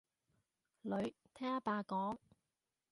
女，聽阿爸講